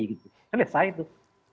saya lesa itu